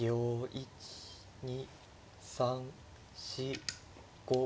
１２３４５。